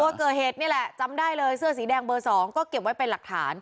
เกิดเหตุนี่แหละจำได้เลยเสื้อสีแดงเบอร์๒ก็เก็บไว้เป็นหลักฐาน